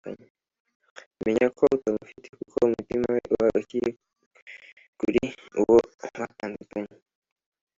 menya ko utamufite kuko umutima we uba ukiri kuri uwo batandukanye